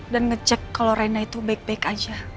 dan nge check kalau reina itu baik baik aja